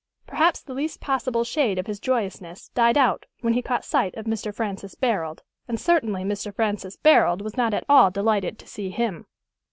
Perhaps the least possible shade of his joyousness died out when he caught sight of Mr. Francis Barold, and certainly Mr. Francis Barold was not at all delighted to see him.